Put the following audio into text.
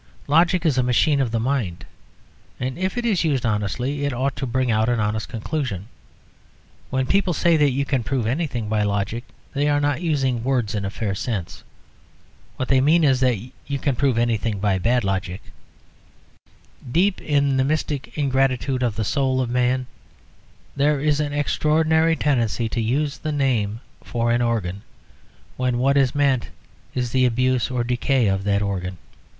Logic is a machine of the mind, and if it is used honestly it ought to bring out an honest conclusion. When people say that you can prove anything by logic, they are not using words in a fair sense. What they mean is that you can prove anything by bad logic. Deep in the mystic ingratitude of the soul of man there is an extraordinary tendency to use the name for an organ, when what is meant is the abuse or decay of that organ.